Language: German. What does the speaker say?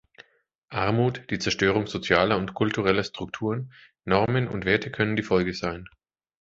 Armut, die Zerstörung sozialer und kultureller Strukturen, Normen und Werte können die Folge sein.